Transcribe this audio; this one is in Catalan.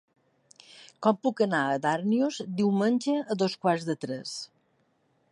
Com puc anar a Darnius diumenge a dos quarts de tres?